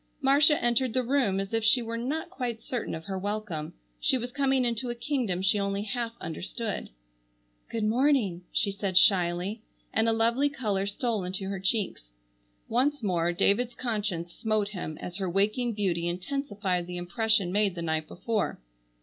Marcia entered the room as if she were not quite certain of her welcome. She was coming into a kingdom she only half understood. "Good morning," she said shyly, and a lovely color stole into her cheeks. Once more David's conscience smote him as her waking beauty intensified the impression made the night before.